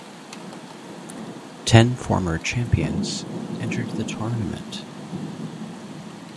Ten former champions entered the tournament.